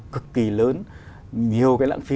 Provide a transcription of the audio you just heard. cực kỳ lớn nhiều cái lãng phí